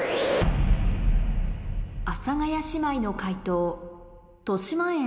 阿佐ヶ谷姉妹の解答としまえん